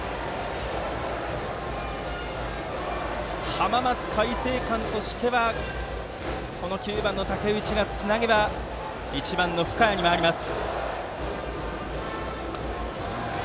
浜松開誠館としては９番の竹内がつなげば１番の深谷に回ります。